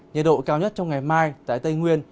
nhiệt độ cao nhất trong ngày mai tại tây nguyên